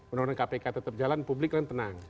undang undang kpk tetap jalan publik kan tenang